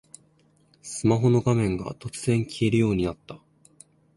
スマホの画面が突然消えるようになった